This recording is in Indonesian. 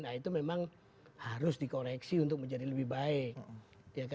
nah itu memang harus dikoreksi untuk menjadi lebih baik